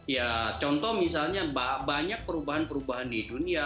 ya contoh misalnya banyak perubahan perubahan di dunia